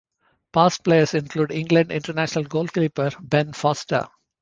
Past players include England international goalkeeper Ben Foster.